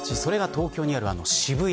それが東京にある渋谷。